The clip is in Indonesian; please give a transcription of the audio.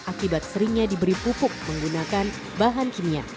akibat seringnya diberi pupuk menggunakan bahan kimia